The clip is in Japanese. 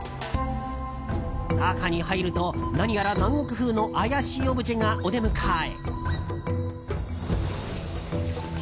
中に入ると、何やら南国風の怪しいオブジェがお出迎え。